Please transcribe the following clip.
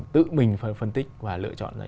tự mình phân tích và lựa chọn